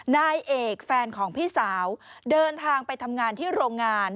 นายเอกแฟนของพี่สาวเดินทางไปทำงานที่โรงงาน